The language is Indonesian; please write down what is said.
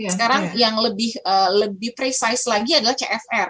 sekarang yang lebih precise lagi adalah cfr